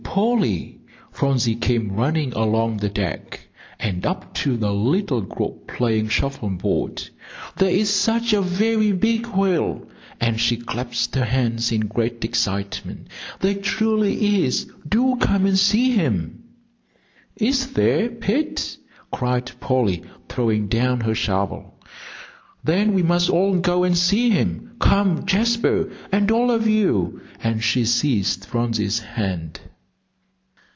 Polly!" Phronsie came running along the deck, and up to the little group playing shuffle board; "there's such a very big whale." And she clasped her hands in great excitement. "There truly is. Do come and see him." "Is there, Pet?" cried Polly, throwing down her shovel, "then we must all go and see him. Come, Jasper, and all of you," and she seized Phronsie's hand.